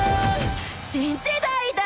「新時代だ」